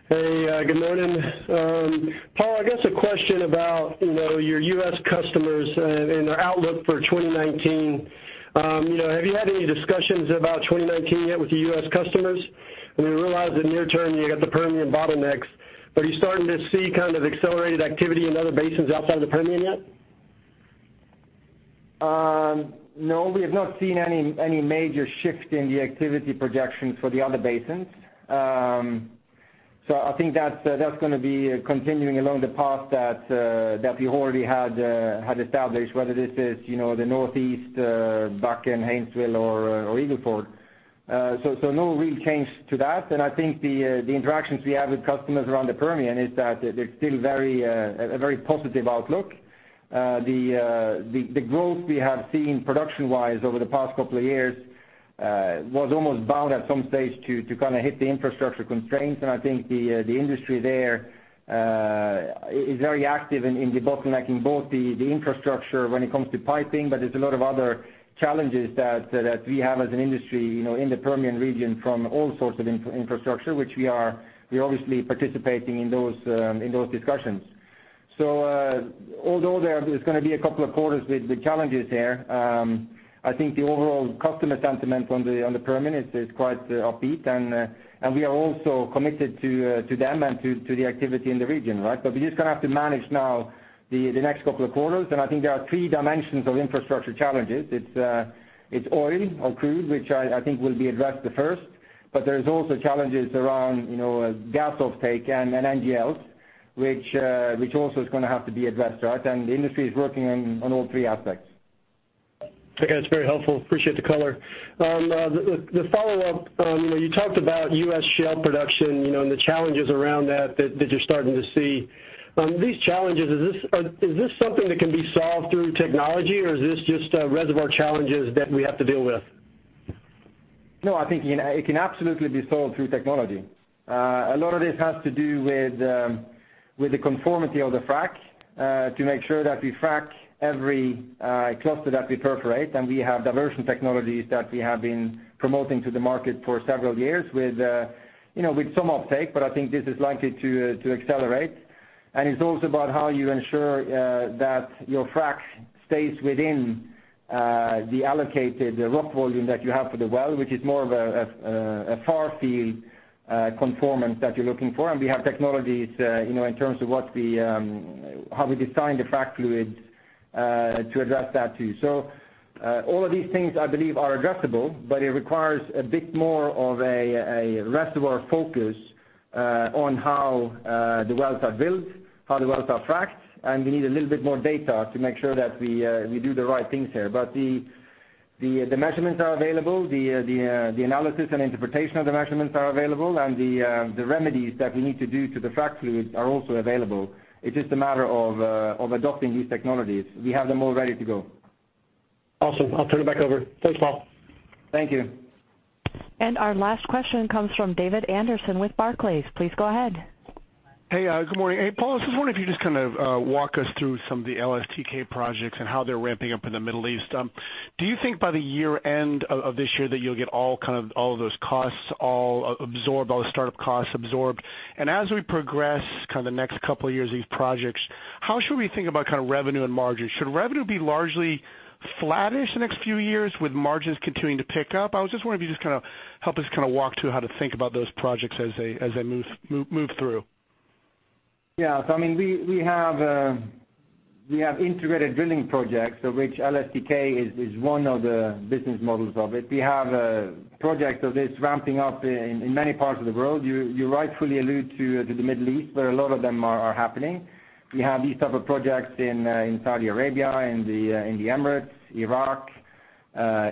L: Hey, good morning. Paal, I guess a question about your U.S. customers and their outlook for 2019. Have you had any discussions about 2019 yet with the U.S. customers? We realize the near term, you got the Permian bottlenecks, but are you starting to see accelerated activity in other basins outside of the Permian yet?
E: No. We have not seen any major shift in the activity projections for the other basins. I think that's going to be continuing along the path that we already had established, whether this is the Northeast, Bakken, Haynesville, or Eagle Ford. No real change to that. I think the interactions we have with customers around the Permian is that there's still a very positive outlook. The growth we have seen production-wise over the past couple of years, was almost bound at some stage to hit the infrastructure constraints. I think the industry there is very active in debottlenecking both the infrastructure when it comes to piping, but there's a lot of other challenges that we have as an industry in the Permian region from all sorts of infrastructure, which we are obviously participating in those discussions. Although there's going to be a couple of quarters with challenges there, I think the overall customer sentiment on the Permian is quite upbeat, and we are also committed to them and to the activity in the region, right? We're just going to have to manage now the next couple of quarters, and I think there are three dimensions of infrastructure challenges. It's oil or crude, which I think will be addressed the first, but there's also challenges around gas offtake and NGLs, which also is going to have to be addressed, right? The industry is working on all three aspects.
L: Okay. That's very helpful. Appreciate the color. The follow-up, you talked about U.S. shale production, and the challenges around that you're starting to see. These challenges, is this something that can be solved through technology, or is this just reservoir challenges that we have to deal with?
E: I think it can absolutely be solved through technology. A lot of this has to do with the conformity of the frack, to make sure that we frack every cluster that we perforate, and we have diversion technologies that we have been promoting to the market for several years with some offtake, but I think this is likely to accelerate. It's also about how you ensure that your frack stays within the allocated rock volume that you have for the well, which is more of a far field conformance that you're looking for. We have technologies, in terms of how we design the frack fluids to address that, too. All of these things, I believe, are addressable, but it requires a bit more of a reservoir focus on how the wells are built, how the wells are fracked, and we need a little bit more data to make sure that we do the right things here. The measurements are available, the analysis and interpretation of the measurements are available, and the remedies that we need to do to the frack fluids are also available. It's just a matter of adopting these technologies. We have them all ready to go.
L: Awesome. I'll turn it back over. Thanks, Paal.
E: Thank you.
A: Our last question comes from David Anderson with Barclays. Please go ahead.
M: Hey. Good morning. Hey, Paal. I was just wondering if you could just walk us through some of the LSTK projects and how they're ramping up in the Middle East. Do you think by the year-end of this year that you'll get all of those costs all absorbed, all the startup costs absorbed? As we progress the next couple of years, these projects, how should we think about revenue and margins? Should revenue be largely flattish the next few years with margins continuing to pick up? I was just wondering if you could just help us walk through how to think about those projects as they move through.
E: Yeah. We have integrated drilling projects of which LSTK is one of the business models of it. We have projects of this ramping up in many parts of the world. You rightfully allude to the Middle East, where a lot of them are happening. We have these type of projects in Saudi Arabia, in the Emirates, Iraq,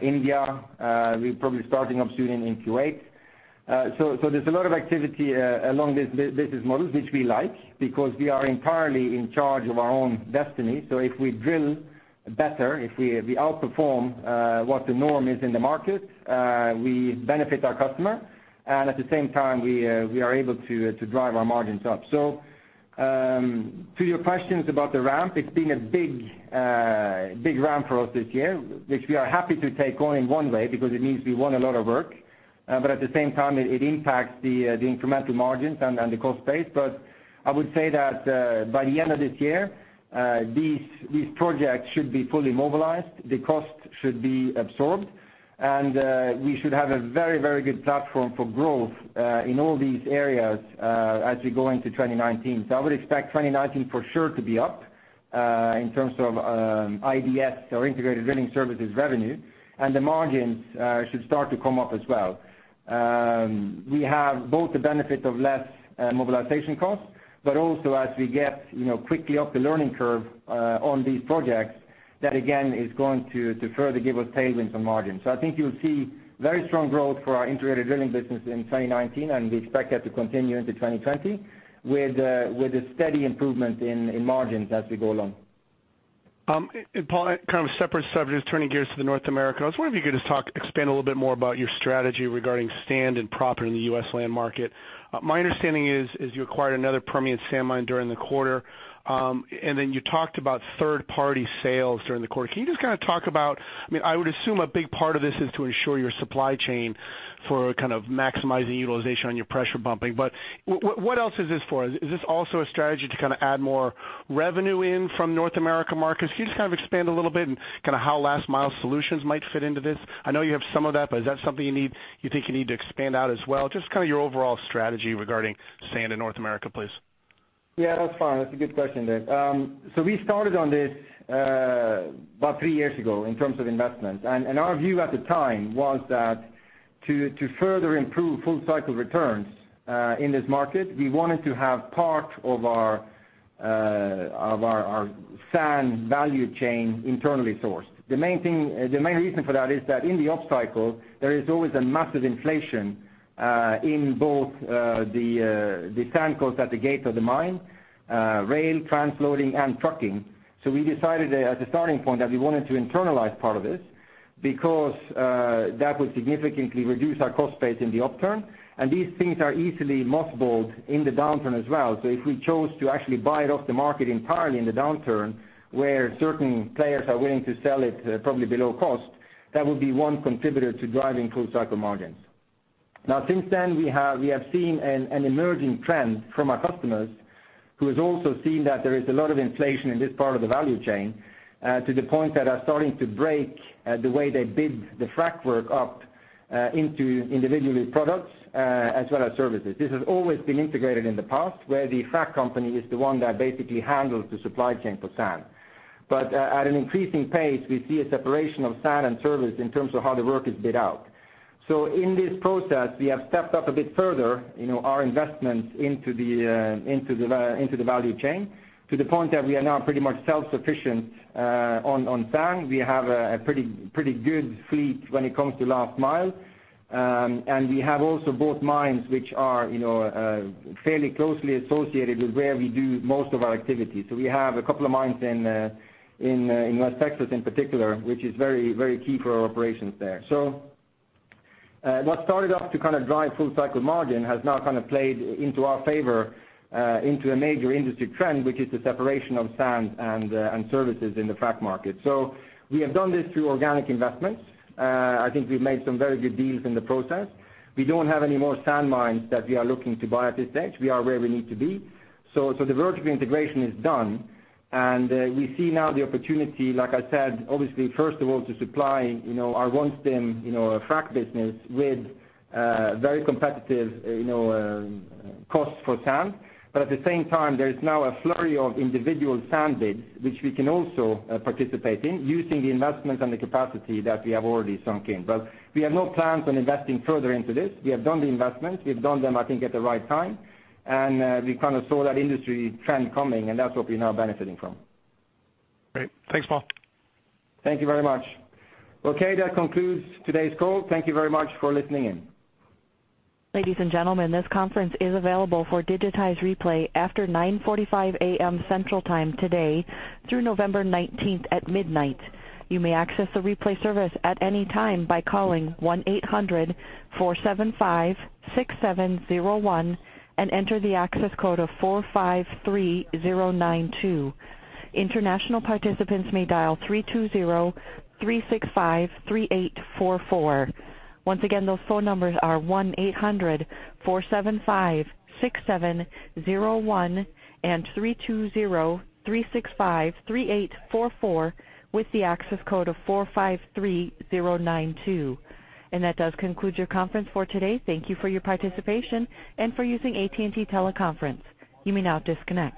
E: India. We're probably starting up soon in Kuwait. There's a lot of activity along this business model, which we like, because we are entirely in charge of our own destiny. If we drill better, if we outperform what the norm is in the market, we benefit our customer. At the same time, we are able to drive our margins up. To your questions about the ramp, it's been a big ramp for us this year, which we are happy to take on in one way because it means we won a lot of work. At the same time, it impacts the incremental margins and the cost base. I would say that by the end of this year, these projects should be fully mobilized, the cost should be absorbed, and we should have a very good platform for growth in all these areas as we go into 2019. I would expect 2019 for sure to be up, in terms of IDS or integrated drilling services revenue, and the margins should start to come up as well. We have both the benefit of less mobilization costs, also as we get quickly up the learning curve on these projects, that again is going to further give us tailwinds on margins. I think you'll see very strong growth for our integrated drilling business in 2019, and we expect that to continue into 2020 with a steady improvement in margins as we go along.
M: Paal, kind of a separate subject, just turning gears to North America. I was wondering if you could just expand a little bit more about your strategy regarding sand and proppant in the U.S. land market. My understanding is you acquired another Permian sand mine during the quarter, you talked about third-party sales during the quarter. Can you just talk about, I would assume a big part of this is to ensure your supply chain for maximizing utilization on your pressure pumping. What else is this for? Is this also a strategy to add more revenue in from North America markets? Can you just expand a little bit and how last mile solutions might fit into this? I know you have some of that, is that something you think you need to expand out as well? Just your overall strategy regarding sand in North America, please.
E: Yeah, that's fine. That's a good question, David. We started on this about three years ago in terms of investment, our view at the time was that to further improve full cycle returns in this market, we wanted to have part of our sand value chain internally sourced. The main reason for that is that in the upcycle, there is always a massive inflation in both the sand cost at the gate of the mine, rail, transloading, and trucking. We decided as a starting point that we wanted to internalize part of this, because that would significantly reduce our cost base in the upturn, these things are easily multiples in the downturn as well. if we chose to actually buy it off the market entirely in the downturn, where certain players are willing to sell it probably below cost, that would be one contributor to driving full cycle margins. Now since then, we have seen an emerging trend from our customers who has also seen that there is a lot of inflation in this part of the value chain to the point that are starting to break the way they bid the frac work up into individual products as well as services. This has always been integrated in the past, where the frac company is the one that basically handles the supply chain for sand. At an increasing pace, we see a separation of sand and service in terms of how the work is bid out. in this process, we have stepped up a bit further, our investments into the value chain, to the point that we are now pretty much self-sufficient on sand. We have a pretty good fleet when it comes to last mile. We have also both mines, which are fairly closely associated with where we do most of our activity. We have a couple of mines in West Texas in particular, which is very key for our operations there. what started off to drive full cycle margin has now played into our favor, into a major industry trend, which is the separation of sand and services in the frac market. We have done this through organic investments. I think we've made some very good deals in the process. We don't have any more sand mines that we are looking to buy at this stage. We are where we need to be. the vertical integration is done, and we see now the opportunity, like I said, obviously first of all, to supply our OneStim frac business with very competitive costs for sand. At the same time, there is now a flurry of individual sand bids, which we can also participate in using the investments and the capacity that we have already sunk in. We have no plans on investing further into this. We have done the investment. We've done them, I think, at the right time, and we saw that industry trend coming, and that's what we're now benefiting from.
M: Great. Thanks, Paal.
E: Thank you very much. Okay, that concludes today's call. Thank you very much for listening in.
A: Ladies and gentlemen, this conference is available for digitized replay after 9:45 A.M. Central Time today through November 19th at midnight. You may access the replay service at any time by calling 1-800-475-6701 and enter the access code of 453092. International participants may dial 320-365-3844. Once again, those phone numbers are 1-800-475-6701 and 320-365-3844 with the access code of 453092. That does conclude your conference for today. Thank you for your participation and for using AT&T Teleconference. You may now disconnect.